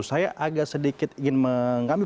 saya agak sedikit ingin mengambil